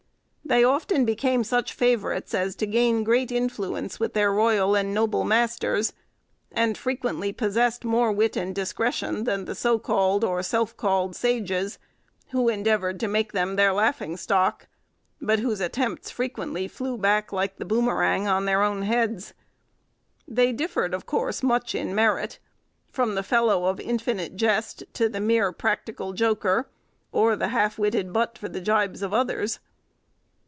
They often became such favourites as to gain great influence with their royal and noble masters, and frequently possessed more wit and discretion than the so called or self called sages, who endeavoured to make them their laughing stock, but whose attempts frequently flew back, like the boomerang, on their own heads. They differed of course much in merit, from the fellow of infinite jest to the mere practical joker, or the half witted butt for the gibes of others.